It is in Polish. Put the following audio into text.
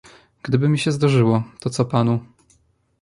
"Gdyby mi się zdarzyło to, co panu."